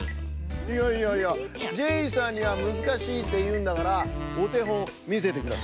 いやいやいやジェイさんにはむずかしいっていうんだからおてほんみせてください。